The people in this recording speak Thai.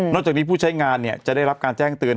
จากนี้ผู้ใช้งานจะได้รับการแจ้งเตือน